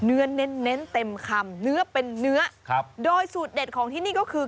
เน้นเน้นเต็มคำเนื้อเป็นเนื้อครับโดยสูตรเด็ดของที่นี่ก็คือ